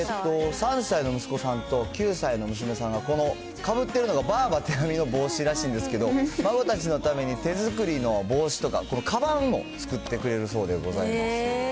３歳の息子さんと９歳の娘さんが、このかぶってるのがばあば手編みの帽子らしいんですけど、孫たちのために手作りの帽子とか、このかばんも作ってくれるそうで。